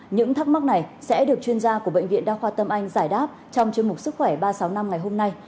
những thắc mắc này sẽ được chuyên gia của bệnh viện đa khoa tâm anh giải đáp trong chương mục sức khỏe ba trăm sáu mươi năm ngày hôm nay